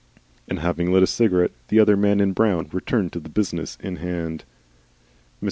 And having lit a cigarette, the other man in brown returned to the business in hand. Mr.